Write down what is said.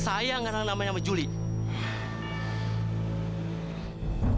saya kenal namanya julie